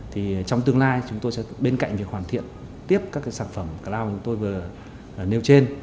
thì trong tương lai chúng tôi sẽ bên cạnh việc hoàn thiện tiếp các sản phẩm cloud chúng tôi vừa nêu trên